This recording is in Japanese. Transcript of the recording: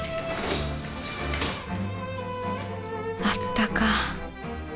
あったか。